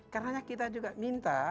karena kita juga minta